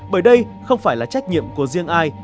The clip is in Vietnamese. bởi đây không phải là trách nhiệm của riêng ai